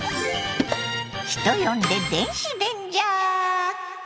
人呼んで電子レンジャー！